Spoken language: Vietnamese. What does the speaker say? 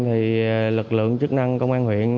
thì lực lượng chức năng công an huyện